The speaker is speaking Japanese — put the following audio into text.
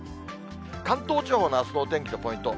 関東地方のあすのお天気のポイント。